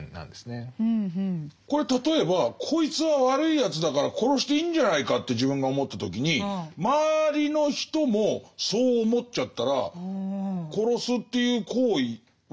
これ例えばこいつは悪いやつだから殺していいんじゃないかって自分が思った時に周りの人もそう思っちゃったら殺すっていう行為は。